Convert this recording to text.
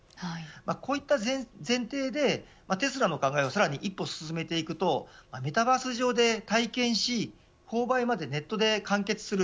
こういった前提でテスラの考えを一歩進めていくとメタバース上で体験し購買までネットで完結する